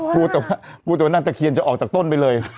พูดแต่ว่ากลัวนางตะเคียนจะออกจากต้นไปเลย